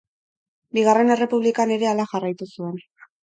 Bigarren Errepublikan ere hala jarraitu zuen.